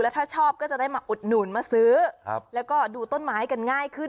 ถ้าชอบก็จะได้มาอุดหนุนมาซื้อแล้วก็ดูต้นไม้กันง่ายขึ้น